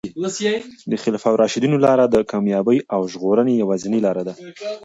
د خلفای راشدینو لاره د کامیابۍ او ژغورنې یوازینۍ لاره ده.